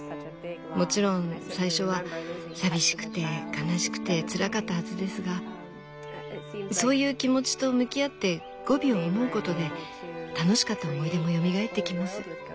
もちろん最初は寂しくて悲しくてつらかったはずですがそういう気持ちと向き合ってゴビを思うことで楽しかった思い出もよみがえってきます。